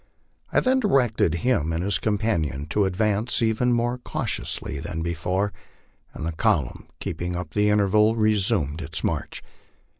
I then directed him and his companion to advance even more cautiously than before, and the col umn, keeping up the interval, resumed its march.